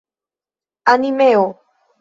animeo